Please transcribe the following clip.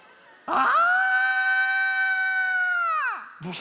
あ。